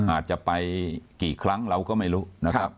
อาจจะไปกี่ครั้งเราก็ไม่รู้นะครับ